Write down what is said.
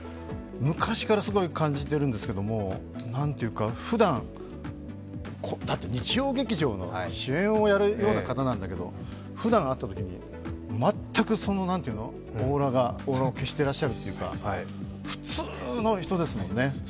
昔からすごい感じてるんですけどもなんというか、ふだん、だって日曜劇場の主演をやるような方なんだけどふだん会ったときに全くオーラを消していらっしゃるというか普通の人ですもんね。